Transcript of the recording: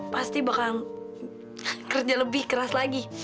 pasti bakal kerja lebih keras lagi